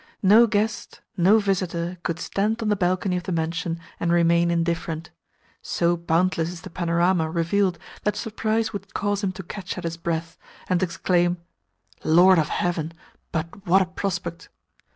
No guest, no visitor, could stand on the balcony of the mansion and remain indifferent. So boundless is the panorama revealed that surprise would cause him to catch at his breath, and exclaim: "Lord of Heaven, but what a prospect!"